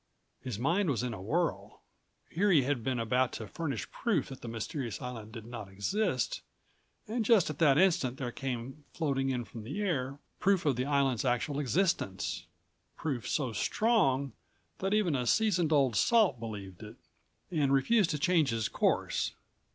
His mind was in a whirl. Here he had been about to furnish proof that the mysterious island did not exist and just at that instant there came floating in193 from the air proof of the island's actual existence, proof so strong that even a seasoned old salt believed it and refused to change his course.